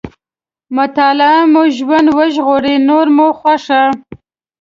مطالعه مو ژوند ژغوري، نور مو خوښه.